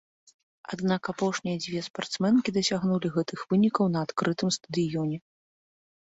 Аднак апошнія дзве спартсменкі дасягнулі гэтых вынікаў на адкрытым стадыёне.